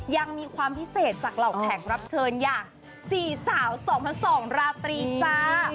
ยังมีความพิเศษจากเหล่าแขกรับเชิญอย่าง๔สาว๒๐๐๒ราตรีจ้า